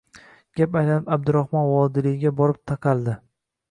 Gap aylanib, Abdurahmon Vodiliyga borib taqaldi. U